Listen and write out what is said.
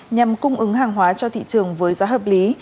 nhằm cung ứng hàng hóa cho thị trường với giá hợp lý